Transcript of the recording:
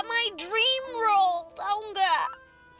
my dream role tau nggak